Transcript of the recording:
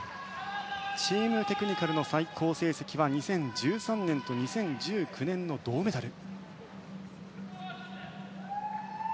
チームテクニカルの最高成績は２０１３年と２０１９年の銅メダル。